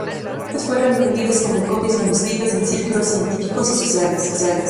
Otras fueron difundidas como copias manuscritas en círculos científicos y sociales.